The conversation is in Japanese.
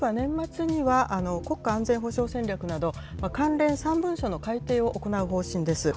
政府は年末には国家安全保障戦略など、関連３文書の改定を行う方針です。